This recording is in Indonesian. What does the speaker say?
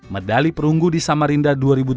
medali perunggu di samarinda dua ribu delapan